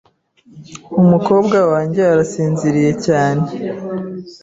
Umukobwa wanjye arasinziriye cyane. .